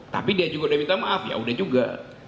tapi dia juga udah minta maaf yaudah juga